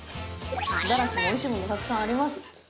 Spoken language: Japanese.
茨城もおいしいものがたくさんあります。